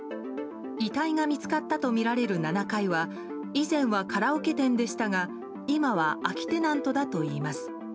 遺体が見つかったとみられる７階は以前はカラオケ店でしたが今は空きテナントだといいます。